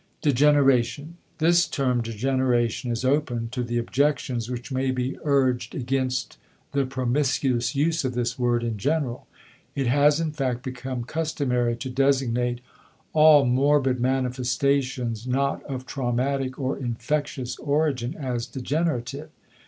*Degeneration.* This term degeneration is open to the objections which may be urged against the promiscuous use of this word in general. It has in fact become customary to designate all morbid manifestations not of traumatic or infectious origin as degenerative.